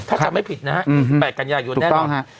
ถ้าจำให้ผิดนะฮะ๒๘กัญญายนแน่นอนถูกต้องฮะ